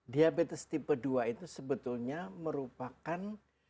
diabetes tipe dua itu sebetulnya merupakan